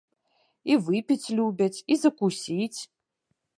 І выпіць любяць, і закусіць.